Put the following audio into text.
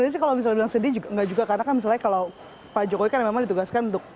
jadi sih kalau misalnya bilang sedih nggak juga karena misalnya kalau pak jokowi kan memang ditugaskan untuk